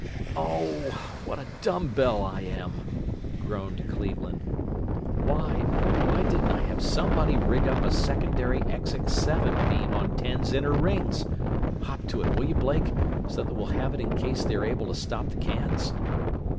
"Oh, what a dumb bell I am!" groaned Cleveland. "Why, oh why didn't I have somebody rig up a secondary SX7 beam on Ten's inner rings? Hop to it, will you, Blake, so that we'll have it in case they are able to stop the cans?"